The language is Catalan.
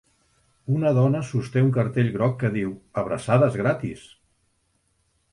Una dona sosté un cartell groc que diu "abraçades gratis".